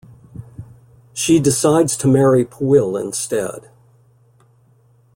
She decides to marry Pwyll instead.